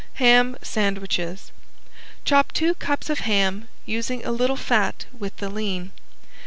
~HAM SANDWICHES~ Chop two cups of ham, using a little fat with the lean.